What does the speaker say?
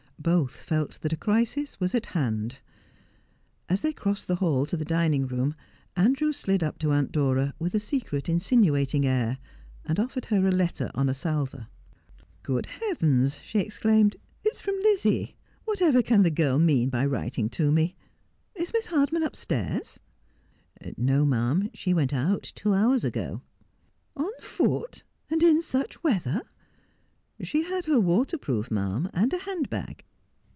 Both felt that a crisis was at hand. As they crossed the hall to the dining room Andrew slid up to Aunt Dora, with a secret, insinuating air, and offered her a letter on a salver. ' Good heavens !' she exclaimed, ' it's from Lizzie. Whatever can the girl mean by writing to me ? Is Miss Hardman upstairs ?'' No, ma'am, she went out two hours ago.' ' On foot — and in such weather 1 '' She had her waterproof, ma'am, and a hand bag.'